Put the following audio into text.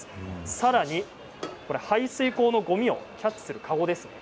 さらに排水口のごみをキャッチする籠です。